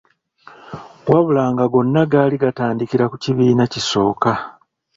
Wabula nga gonna gaali gatandikira ku kibiina kisooka.